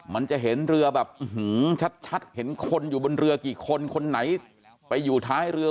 มันจะเห็นเรือแบบชัดเห็นคนอยู่บนเรือกี่คนคนไหนไปอยู่ท้ายเรือ